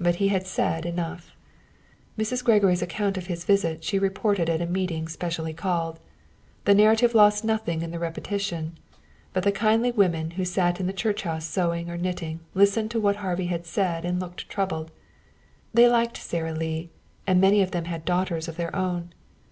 But he had said enough. Mrs. Gregory's account of his visit she reported at a meeting specially called. The narrative lost nothing in the repetition. But the kindly women who sat in the church house sewing or knitting listened to what Harvey had said and looked troubled. They liked Sara Lee, and many of them had daughters of their own.